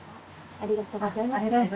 ありがとうございます。